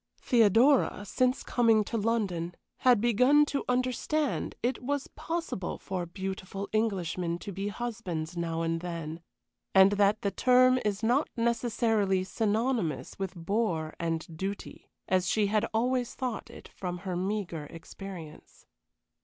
Theodora, since coming to London, had begun to understand it was possible for beautiful Englishmen to be husbands now and then, and that the term is not necessarily synonymous with "bore" and "duty" as she had always thought it from her meagre experience.